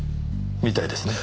みたいですね。